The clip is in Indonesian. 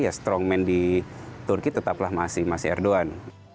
ya strongman di turki tetaplah masih erdogan